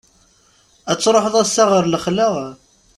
Ad truḥeḍ ass-a ɣer lexla?